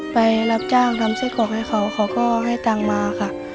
ไปรับจ้างทำไส้กรอกให้เขาเขาก็ให้ตังค์มาค่ะ